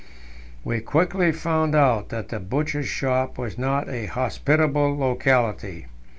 We quickly found out that the Butcher's Shop was not a hospitable locality.